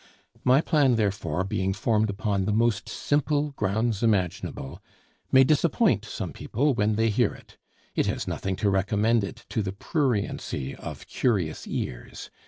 My plan, therefore, being formed upon the most simple grounds imaginable, may disappoint some people when they hear it. It has nothing to recommend it to the pruriency of curious ears.